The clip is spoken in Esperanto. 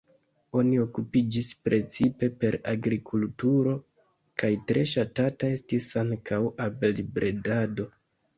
Oni okupiĝis precipe per agrikulturo kaj tre ŝatata estis ankaŭ abelbredado.